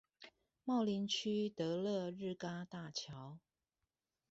茂林區得樂日嘎大橋